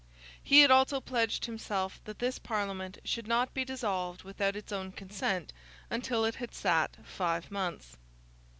He had also pledged himself that this Parliament should not be dissolved without its own consent until it had sat five months.